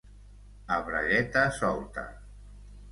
A bragueta solta.